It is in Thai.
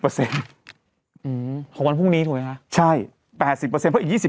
เปอร์เซ็นต์อืมของวันพรุ่งนี้ถูกไหมคะใช่แปดสิบเปอร์เซ็นต์เพราะอีกยี่สิบ